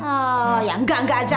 oh ya enggak enggak aja